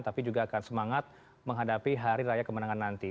tapi juga akan semangat menghadapi hari raya kemenangan nanti